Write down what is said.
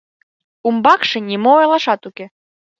Умбакше нимо ойлашат уке.